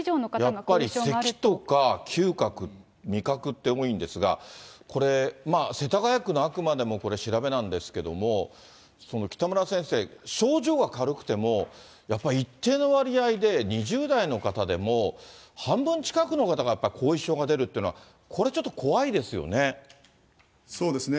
やっぱりせきとか、嗅覚、味覚って多いんですが、これ、世田谷区のあくまでもこれ、調べなんですけれども、北村先生、症状は軽くても、やっぱ一定の割合で２０代の方でも半分近くの方がやっぱり後遺症が出るっていうのは、これちょっと怖いですよね。